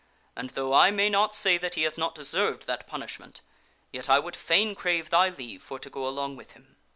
And though I may not say that he hath not deserved that punishment, yet I would fain crave thy leave for to go along with him."